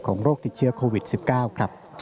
โรคติดเชื้อโควิด๑๙ครับ